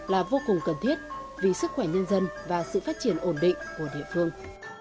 là vô cùng cần thiết vì sức khỏe nhân dân và sự phát triển ổn định của địa phương